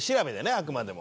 あくまでも。